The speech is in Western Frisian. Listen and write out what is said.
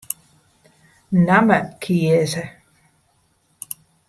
Namme kieze.